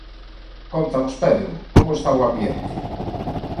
Cóntanos, Pedro, como está o ambiente?